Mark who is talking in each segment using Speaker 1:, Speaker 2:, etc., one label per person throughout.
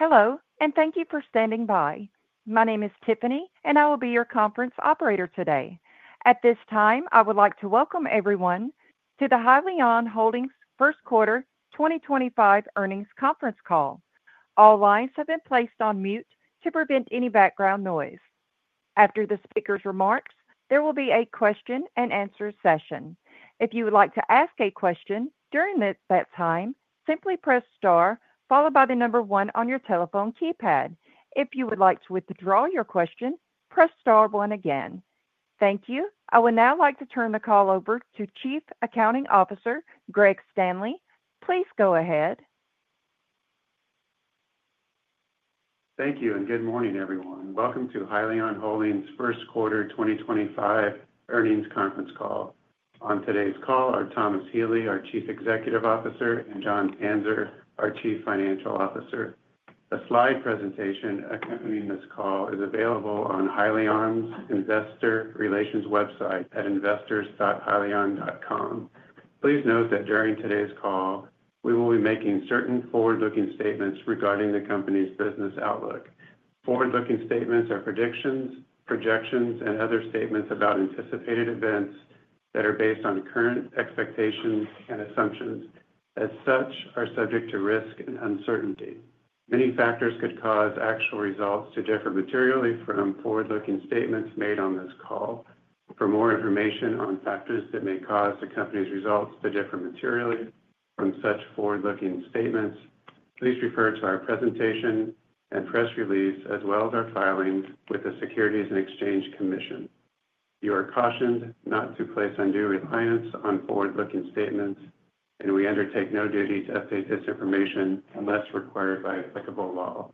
Speaker 1: Hello, and thank you for standing by. My name is Tiffany, and I will be your conference operator today. At this time, I would like to welcome everyone to the Hyliion Holdings' first quarter 2025 earnings conference call. All lines have been placed on mute to prevent any background noise. After the speaker's remarks, there will be a question-and-answer session. If you would like to ask a question during that time, simply press star followed by the number one on your telephone keypad. If you would like to withdraw your question, press star one again. Thank you. I would now like to turn the call over to Chief Accounting Officer, Greg Standley. Please go ahead.
Speaker 2: Thank you, and good morning, everyone. Welcome to Hyliion Holdings' first quarter 2025 earnings conference call. On today's call are Thomas Healy, our Chief Executive Officer, and Jon Panzer, our Chief Financial Officer. A slide presentation accompanying this call is available on Hyliion's investor relations website at investors.hyliion.com. Please note that during today's call, we will be making certain forward-looking statements regarding the company's business outlook. Forward-looking statements are predictions, projections, and other statements about anticipated events that are based on current expectations and assumptions. As such, they are subject to risk and uncertainty. Many factors could cause actual results to differ materially from forward-looking statements made on this call. For more information on factors that may cause the company's results to differ materially from such forward-looking statements, please refer to our presentation and press release, as well as our filings with the Securities and Exchange Commission. You are cautioned not to place undue reliance on forward-looking statements, and we undertake no duty to update this information unless required by applicable law.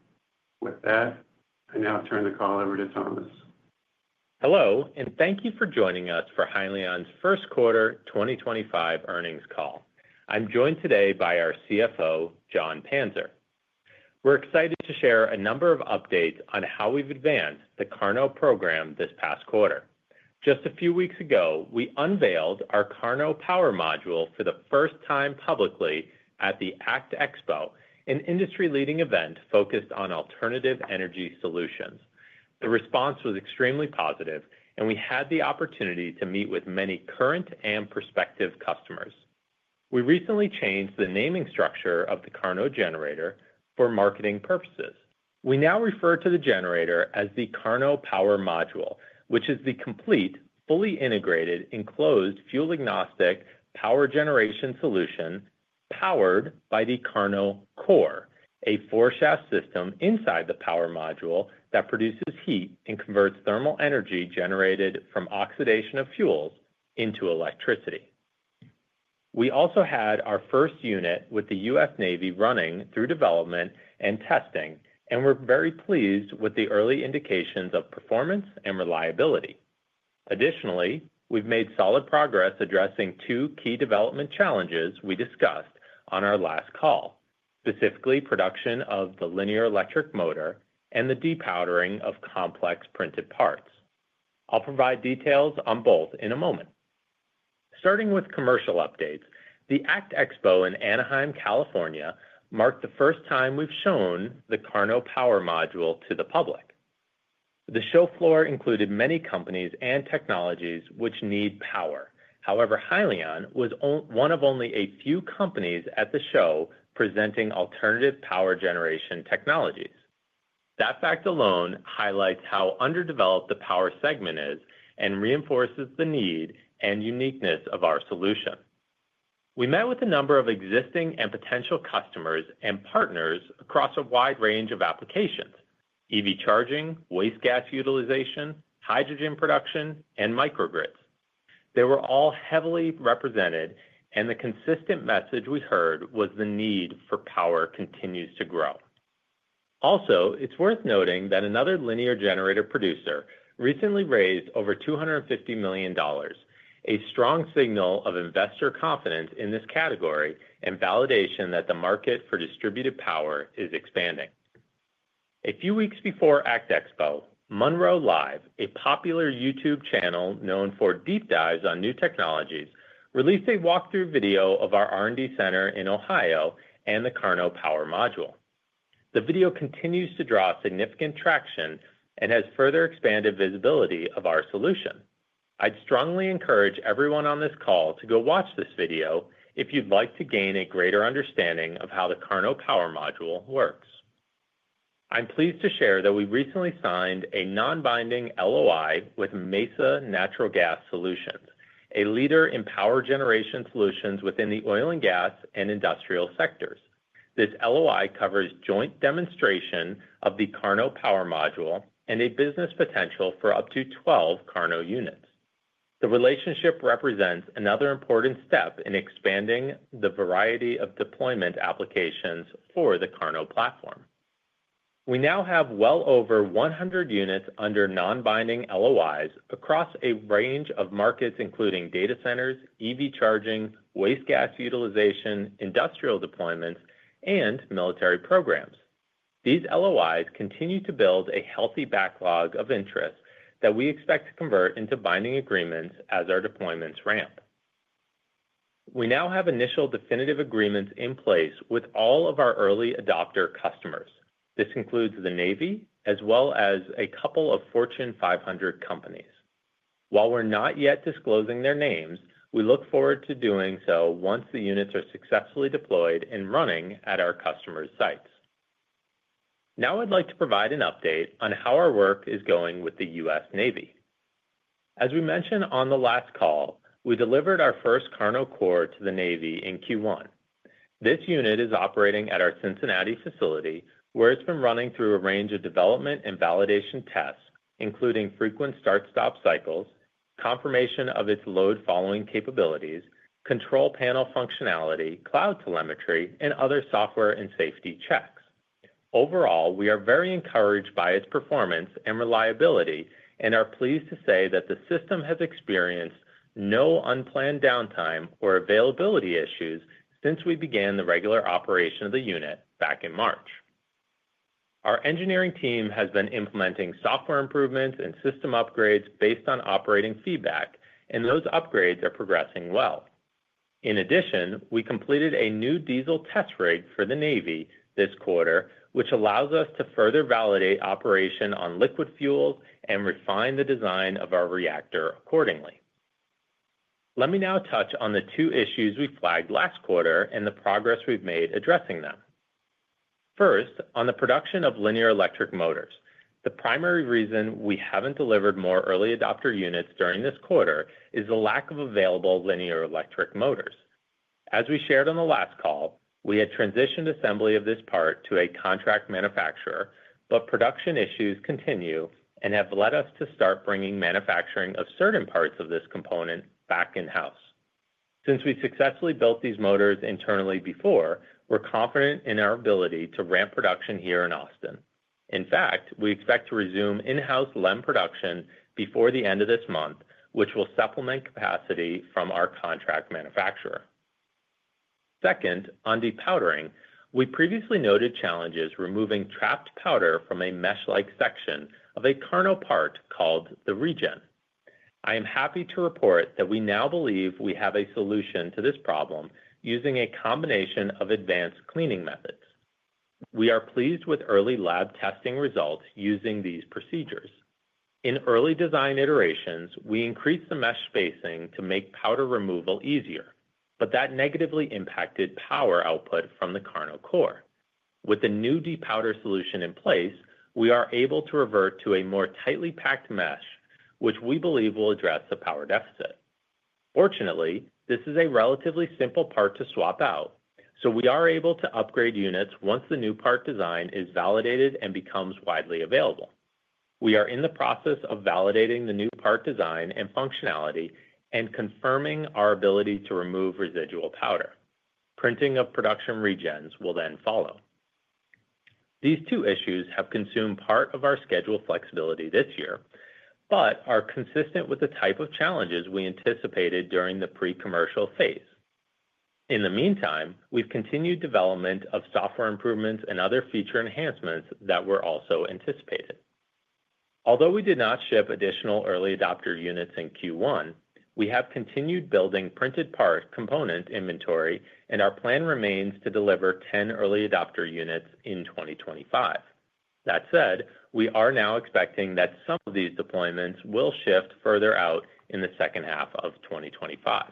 Speaker 2: With that, I now turn the call over to Thomas.
Speaker 3: Hello, and thank you for joining us for Hyliion's first quarter 2025 earnings call. I'm joined today by our CFO, Jon Panzer. We're excited to share a number of updates on how we've advanced the KARNO program this past quarter. Just a few weeks ago, we unveiled our KARNO Power Module for the first time publicly at the ACT Expo, an industry-leading event focused on alternative energy solutions. The response was extremely positive, and we had the opportunity to meet with many current and prospective customers. We recently changed the naming structure of the KARNO generator for marketing purposes. We now refer to the generator as the KARNO Power Module, which is the complete, fully integrated, enclosed fuel-agnostic power generation solution powered by the KARNO core, a four-shaft system inside the power module that produces heat and converts thermal energy generated from oxidation of fuels into electricity. We also had our first unit with the U.S. Navy running through development and testing, and we're very pleased with the early indications of performance and reliability. Additionally, we've made solid progress addressing two key development challenges we discussed on our last call, specifically production of the linear electric motor and the depowering of complex printed parts. I'll provide details on both in a moment. Starting with commercial updates, the ACT Expo in Anaheim, California, marked the first time we've shown the KARNO Power Module to the public. The show floor included many companies and technologies which need power. However, Hyliion was one of only a few companies at the show presenting alternative power generation technologies. That fact alone highlights how underdeveloped the power segment is and reinforces the need and uniqueness of our solution. We met with a number of existing and potential customers and partners across a wide range of applications: EV charging, waste gas utilization, hydrogen production, and microgrids. They were all heavily represented, and the consistent message we heard was the need for power continues to grow. Also, it's worth noting that another linear generator producer recently raised over $250 million, a strong signal of investor confidence in this category and validation that the market for distributed power is expanding. A few weeks before ACT Expo, Munro Live, a popular YouTube channel known for deep dives on new technologies, released a walkthrough video of our R&D center in Ohio and the KARNO Power Module. The video continues to draw significant traction and has further expanded visibility of our solution. I'd strongly encourage everyone on this call to go watch this video if you'd like to gain a greater understanding of how the KARNO Power Module works. I'm pleased to share that we recently signed a non-binding LOI with Mesa Natural Gas Solutions, a leader in power generation solutions within the oil and gas and industrial sectors. This LOI covers joint demonstration of the KARNO Power Module and a business potential for up to 12 KARNO units. The relationship represents another important step in expanding the variety of deployment applications for the KARNO platform. We now have well over 100 units under non-binding LOIs across a range of markets, including data centers, EV charging, waste gas utilization, industrial deployments, and military programs. These LOIs continue to build a healthy backlog of interests that we expect to convert into binding agreements as our deployments ramp. We now have initial definitive agreements in place with all of our early adopter customers. This includes the U.S. Navy, as well as a couple of Fortune 500 companies. While we're not yet disclosing their names, we look forward to doing so once the units are successfully deployed and running at our customers' sites. Now I'd like to provide an update on how our work is going with the U.S. Navy. As we mentioned on the last call, we delivered our first KARNO core to the U.S. Navy in Q1. This unit is operating at our Cincinnati facility, where it's been running through a range of development and validation tests, including frequent start-stop cycles, confirmation of its load-following capabilities, control panel functionality, cloud telemetry, and other software and safety checks. Overall, we are very encouraged by its performance and reliability and are pleased to say that the system has experienced no unplanned downtime or availability issues since we began the regular operation of the unit back in March. Our engineering team has been implementing software improvements and system upgrades based on operating feedback, and those upgrades are progressing well. In addition, we completed a new diesel test rig for the Navy this quarter, which allows us to further validate operation on liquid fuels and refine the design of our reactor accordingly. Let me now touch on the two issues we flagged last quarter and the progress we have made addressing them. First, on the production of linear electric motors. The primary reason we have not delivered more early adopter units during this quarter is the lack of available linear electric motors. As we shared on the last call, we had transitioned assembly of this part to a contract manufacturer, but production issues continue and have led us to start bringing manufacturing of certain parts of this component back in-house. Since we successfully built these motors internally before, we're confident in our ability to ramp production here in Austin. In fact, we expect to resume in-house LEM production before the end of this month, which will supplement capacity from our contract manufacturer. Second, on depowering, we previously noted challenges removing trapped powder from a mesh-like section of a KARNO part called the regen. I am happy to report that we now believe we have a solution to this problem using a combination of advanced cleaning methods. We are pleased with early lab testing results using these procedures. In early design iterations, we increased the mesh spacing to make powder removal easier, but that negatively impacted power output from the KARNO core. With the new depower solution in place, we are able to revert to a more tightly packed mesh, which we believe will address the power deficit. Fortunately, this is a relatively simple part to swap out, so we are able to upgrade units once the new part design is validated and becomes widely available. We are in the process of validating the new part design and functionality and confirming our ability to remove residual powder. Printing of production regens will then follow. These two issues have consumed part of our scheduled flexibility this year, but are consistent with the type of challenges we anticipated during the pre-commercial phase. In the meantime, we've continued development of software improvements and other feature enhancements that were also anticipated. Although we did not ship additional early adopter units in Q1, we have continued building printed part component inventory, and our plan remains to deliver 10 early adopter units in 2025. That said, we are now expecting that some of these deployments will shift further out in the second half of 2025.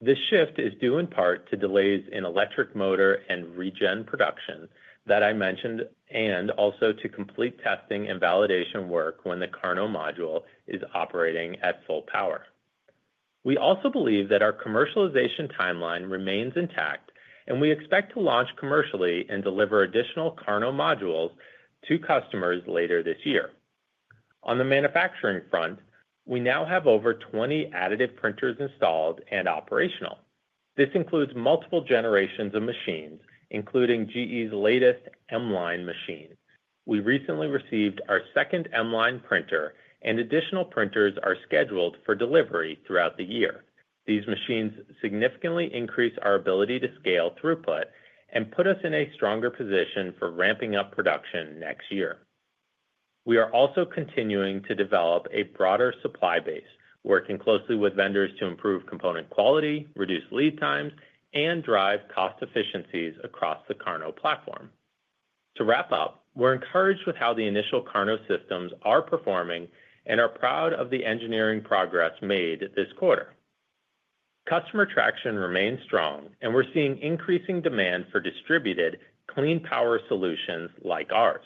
Speaker 3: This shift is due in part to delays in electric motor and regen production that I mentioned and also to complete testing and validation work when the KARNO module is operating at full power. We also believe that our commercialization timeline remains intact, and we expect to launch commercially and deliver additional KARNO modules to customers later this year. On the manufacturing front, we now have over 20 additive printers installed and operational. This includes multiple generations of machines, including GE's latest M-line machine. We recently received our second M-line printer, and additional printers are scheduled for delivery throughout the year. These machines significantly increase our ability to scale throughput and put us in a stronger position for ramping up production next year. We are also continuing to develop a broader supply base, working closely with vendors to improve component quality, reduce lead times, and drive cost efficiencies across the KARNO platform. To wrap up, we're encouraged with how the initial KARNO systems are performing and are proud of the engineering progress made this quarter. Customer traction remains strong, and we're seeing increasing demand for distributed clean power solutions like ours,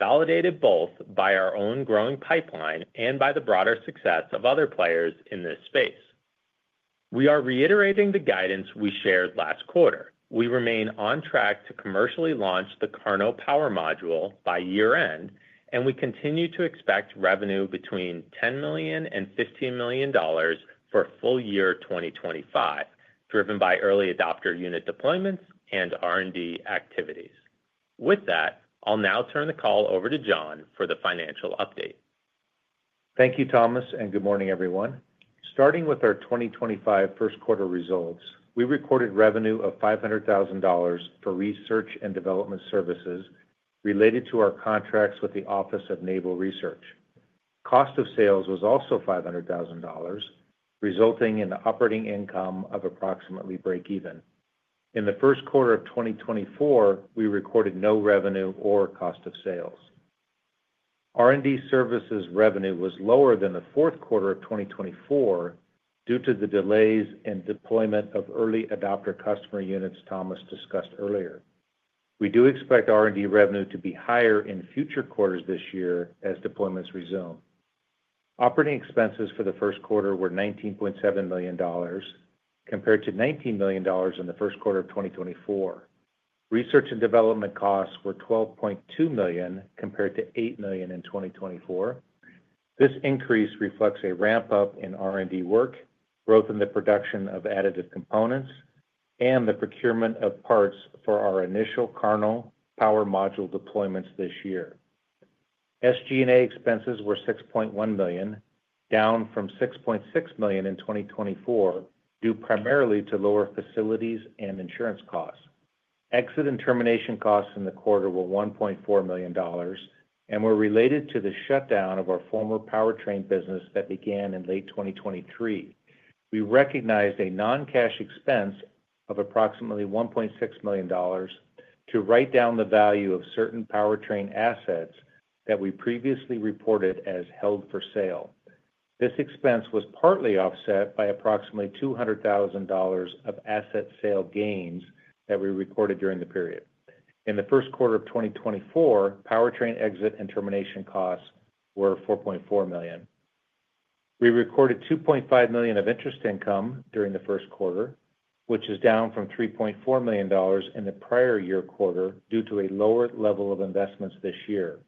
Speaker 3: validated both by our own growing pipeline and by the broader success of other players in this space. We are reiterating the guidance we shared last quarter. We remain on track to commercially launch the KARNO Power Module by year-end, and we continue to expect revenue between $10 million and $15 million for full year 2025, driven by early adopter unit deployments and R&D activities. With that, I'll now turn the call over to Jon for the financial update.
Speaker 4: Thank you, Thomas, and good morning, everyone. Starting with our 2025 first quarter results, we recorded revenue of $500,000 for research and development services related to our contracts with the Office of Naval Research. Cost of sales was also $500,000, resulting in the operating income of approximately break-even. In the first quarter of 2024, we recorded no revenue or cost of sales. R&D services revenue was lower than the fourth quarter of 2024 due to the delays in deployment of early adopter customer units Thomas discussed earlier. We do expect R&D revenue to be higher in future quarters this year as deployments resume. Operating expenses for the first quarter were $19.7 million compared to $19 million in the first quarter of 2024. Research and development costs were $12.2 million compared to $8 million in 2024. This increase reflects a ramp-up in R&D work, growth in the production of additive components, and the procurement of parts for our initial KARNO Power Module deployments this year. SG&A expenses were $6.1 million, down from $6.6 million in 2024, due primarily to lower facilities and insurance costs. Exit and termination costs in the quarter were $1.4 million and were related to the shutdown of our former powertrain business that began in late 2023. We recognized a non-cash expense of approximately $1.6 million to write down the value of certain powertrain assets that we previously reported as held for sale. This expense was partly offset by approximately $200,000 of asset sale gains that we recorded during the period. In the first quarter of 2024, powertrain exit and termination costs were $4.4 million. We recorded $2.5 million of interest income during the first quarter, which is down from $3.4 million in the prior year quarter due to a lower level of investments this year.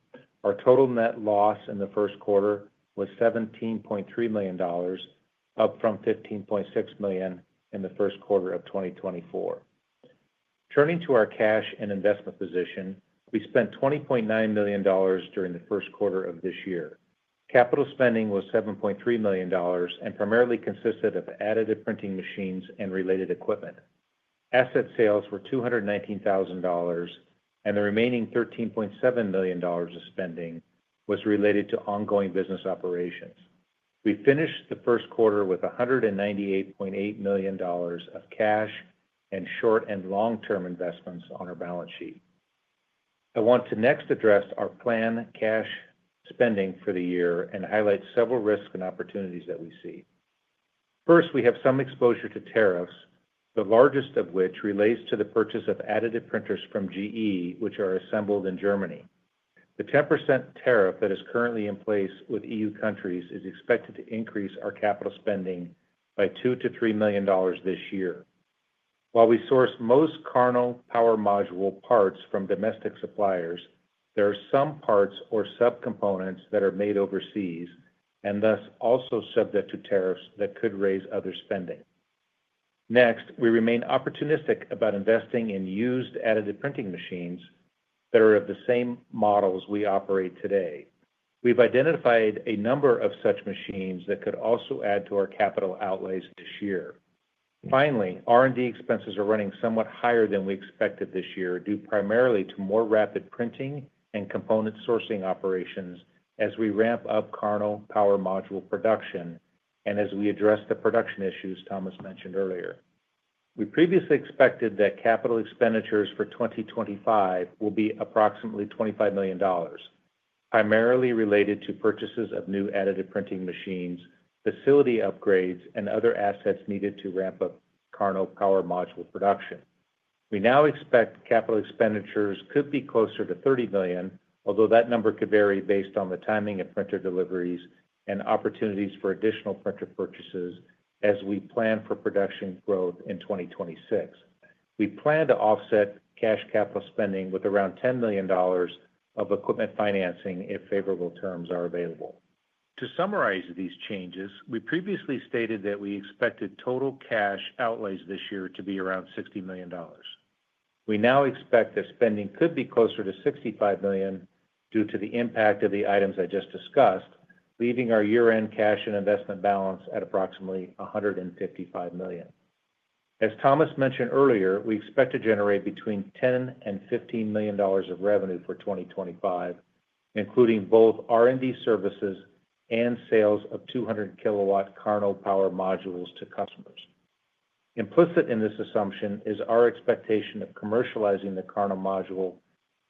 Speaker 4: Our total net loss in the first quarter was $17.3 million, up from $15.6 million in the first quarter of 2024. Turning to our cash and investment position, we spent $20.9 million during the first quarter of this year. Capital spending was $7.3 million and primarily consisted of additive printing machines and related equipment. Asset sales were $219,000, and the remaining $13.7 million of spending was related to ongoing business operations. We finished the first quarter with $198.8 million of cash and short and long-term investments on our balance sheet. I want to next address our planned cash spending for the year and highlight several risks and opportunities that we see. First, we have some exposure to tariffs, the largest of which relates to the purchase of additive printers from GE, which are assembled in Germany. The 10% tariff that is currently in place with EU countries is expected to increase our capital spending by $2-$3 million this year. While we source most KARNO Power Module parts from domestic suppliers, there are some parts or subcomponents that are made overseas and thus also subject to tariffs that could raise other spending. Next, we remain opportunistic about investing in used additive printing machines that are of the same models we operate today. We've identified a number of such machines that could also add to our capital outlays this year. Finally, R&D expenses are running somewhat higher than we expected this year due primarily to more rapid printing and component sourcing operations as we ramp up KARNO Power Module production and as we address the production issues Thomas mentioned earlier. We previously expected that capital expenditures for 2025 will be approximately $25 million, primarily related to purchases of new additive printing machines, facility upgrades, and other assets needed to ramp up KARNO Power Module production. We now expect capital expenditures could be closer to $30 million, although that number could vary based on the timing of printer deliveries and opportunities for additional printer purchases as we plan for production growth in 2026. We plan to offset cash capital spending with around $10 million of equipment financing if favorable terms are available. To summarize these changes, we previously stated that we expected total cash outlays this year to be around $60 million. We now expect that spending could be closer to $65 million due to the impact of the items I just discussed, leaving our year-end cash and investment balance at approximately $155 million. As Thomas mentioned earlier, we expect to generate between $10 and $15 million of revenue for 2025, including both R&D services and sales of 200 kilowatt KARNO Power Modules to customers. Implicit in this assumption is our expectation of commercializing the KARNO Module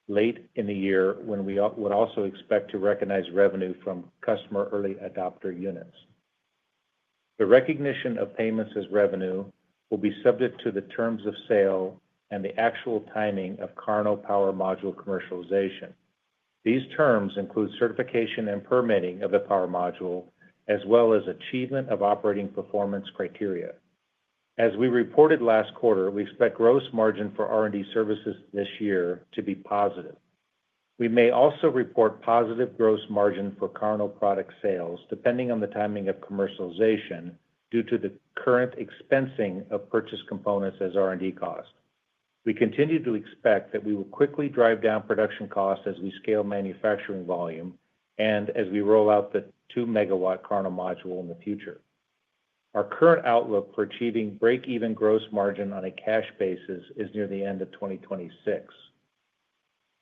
Speaker 4: late in the year when we would also expect to recognize revenue from customer early adopter units. The recognition of payments as revenue will be subject to the terms of sale and the actual timing of KARNO Power Module commercialization. These terms include certification and permitting of the power module, as well as achievement of operating performance criteria. As we reported last quarter, we expect gross margin for R&D services this year to be positive. We may also report positive gross margin for KARNO product sales, depending on the timing of commercialization due to the current expensing of purchase components as R&D costs. We continue to expect that we will quickly drive down production costs as we scale manufacturing volume and as we roll out the 2-megawatt KARNO module in the future. Our current outlook for achieving break-even gross margin on a cash basis is near the end of 2026.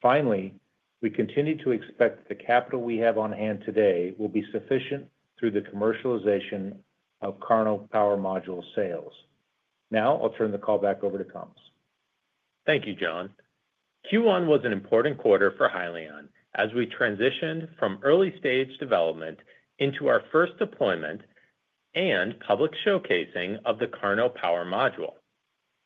Speaker 4: Finally, we continue to expect the capital we have on hand today will be sufficient through the commercialization of KARNO Power Module sales. Now, I'll turn the call back over to Thomas.
Speaker 3: Thank you, Jon. Q1 was an important quarter for Hyliion as we transitioned from early-stage development into our first deployment and public showcasing of the KARNO Power Module.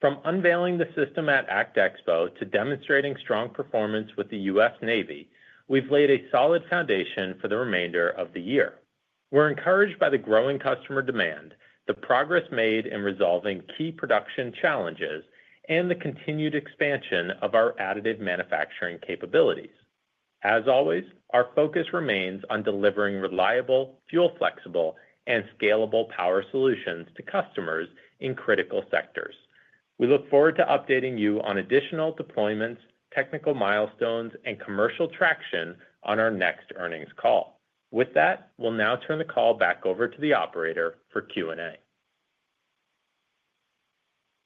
Speaker 3: From unveiling the system at ACT Expo to demonstrating strong performance with the U.S. Navy, we've laid a solid foundation for the remainder of the year. We're encouraged by the growing customer demand, the progress made in resolving key production challenges, and the continued expansion of our additive manufacturing capabilities. As always, our focus remains on delivering reliable, fuel-flexible, and scalable power solutions to customers in critical sectors. We look forward to updating you on additional deployments, technical milestones, and commercial traction on our next earnings call. With that, we'll now turn the call back over to the operator for Q&A.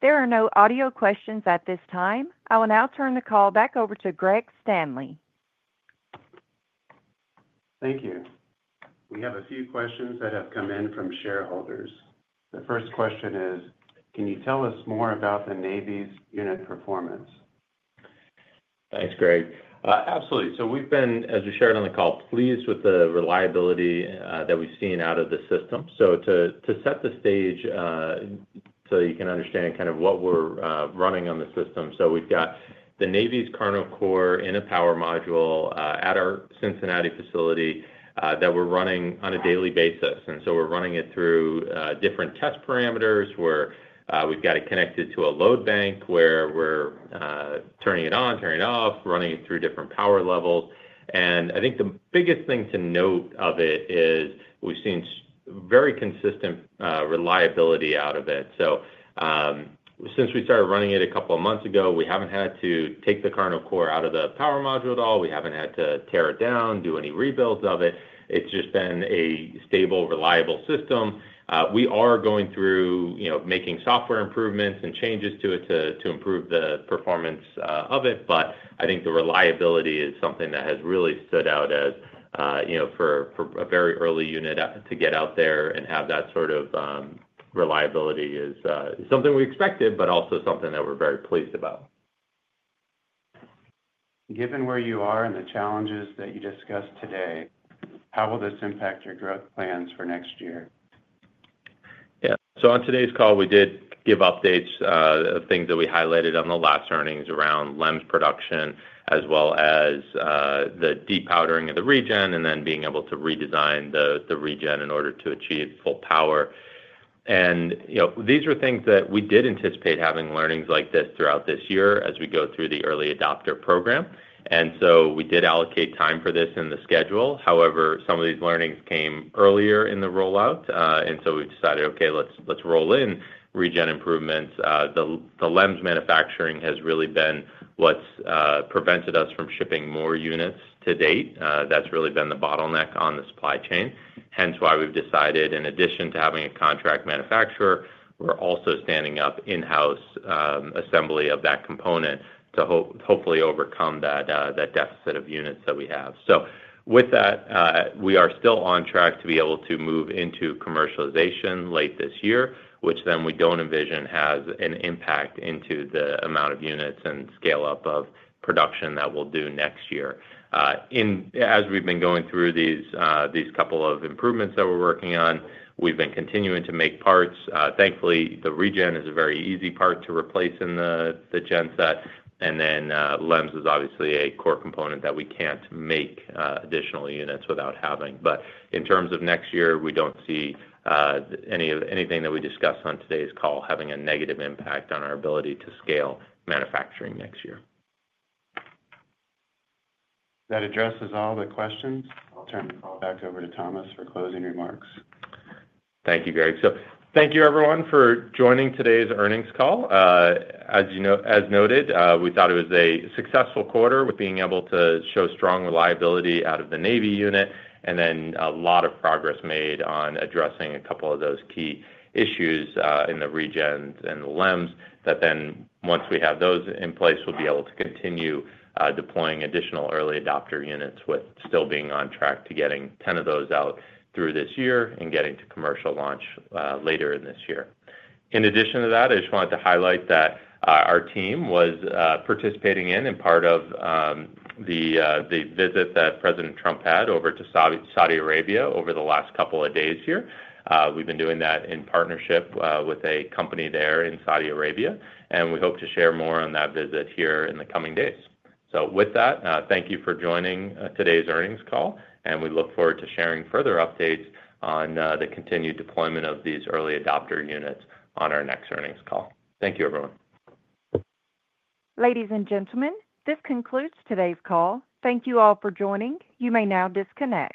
Speaker 1: There are no audio questions at this time. I will now turn the call back over to Greg Standley.
Speaker 2: Thank you. We have a few questions that have come in from shareholders. The first question is, can you tell us more about the Navy's unit performance?
Speaker 3: Thanks, Greg. Absolutely. We've been, as we shared on the call, pleased with the reliability that we've seen out of the system. To set the stage so you can understand kind of what we're running on the system, we've got the Navy's KARNO core in a power module at our Cincinnati facility that we're running on a daily basis. We're running it through different test parameters. We've got it connected to a load bank where we're turning it on, turning it off, running it through different power levels. I think the biggest thing to note of it is we've seen very consistent reliability out of it. Since we started running it a couple of months ago, we haven't had to take the KARNO core out of the power module at all. We haven't had to tear it down, do any rebuilds of it. It's just been a stable, reliable system. We are going through making software improvements and changes to it to improve the performance of it, but I think the reliability is something that has really stood out as for a very early unit to get out there and have that sort of reliability is something we expected, but also something that we're very pleased about.
Speaker 2: Given where you are and the challenges that you discussed today, how will this impact your growth plans for next year?
Speaker 3: Yeah. On today's call, we did give updates of things that we highlighted on the last earnings around LEMs production, as well as the depowering of the regen and then being able to redesign the regen in order to achieve full power. These were things that we did anticipate having learnings like this throughout this year as we go through the early adopter program. We did allocate time for this in the schedule. However, some of these learnings came earlier in the rollout, and we have decided, okay, let's roll in regen improvements. The LEMs manufacturing has really been what's prevented us from shipping more units to date. That's really been the bottleneck on the supply chain, hence why we've decided, in addition to having a contract manufacturer, we're also standing up in-house assembly of that component to hopefully overcome that deficit of units that we have. With that, we are still on track to be able to move into commercialization late this year, which then we don't envision has an impact into the amount of units and scale-up of production that we'll do next year. As we've been going through these couple of improvements that we're working on, we've been continuing to make parts. Thankfully, the regen is a very easy part to replace in the gen set, and then LEMs is obviously a core component that we can't make additional units without having. In terms of next year, we don't see anything that we discussed on today's call having a negative impact on our ability to scale manufacturing next year.
Speaker 2: That addresses all the questions. I'll turn the call back over to Thomas for closing remarks.
Speaker 3: Thank you, Greg. Thank you, everyone, for joining today's earnings call. As noted, we thought it was a successful quarter with being able to show strong reliability out of the Navy unit and then a lot of progress made on addressing a couple of those key issues in the regen and LEMs that then, once we have those in place, we'll be able to continue deploying additional early adopter units with still being on track to getting 10 of those out through this year and getting to commercial launch later in this year. In addition to that, I just wanted to highlight that our team was participating in and part of the visit that President Trump had over to Saudi Arabia over the last couple of days here. We've been doing that in partnership with a company there in Saudi Arabia, and we hope to share more on that visit here in the coming days. Thank you for joining today's earnings call, and we look forward to sharing further updates on the continued deployment of these early adopter units on our next earnings call. Thank you, everyone.
Speaker 1: Ladies and gentlemen, this concludes today's call. Thank you all for joining. You may now disconnect.